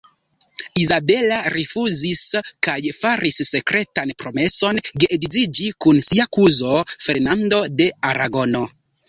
Izabela rifuzis kaj faris sekretan promeson geedziĝi kun sia kuzo, Fernando de Aragono.